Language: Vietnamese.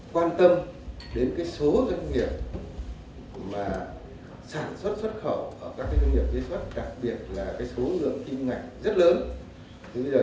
quan tâm đến cái số doanh nghiệp mà sản xuất xuất khẩu ở các doanh nghiệp viết xuất đặc biệt là cái số ngưỡng kinh ngạch rất là nhiều